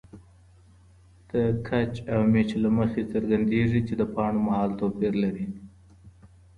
د کچ او میچ له مخي څرګندیږي چي د پاڼو مهال توپیر لري.